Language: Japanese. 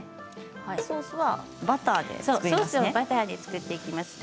ソースはバターで作っていきます。